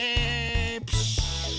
プシュー。